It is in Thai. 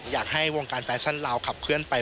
อยากให้วงการแฟชั่นลาวขับเคลื่อนไป